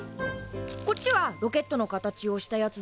こっちはロケットの形をしたやつで。